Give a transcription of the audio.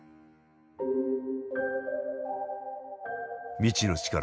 未知の力